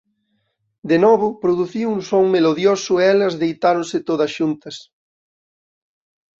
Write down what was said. De novo produciu un son melodioso e elas deitáronse todas xuntas.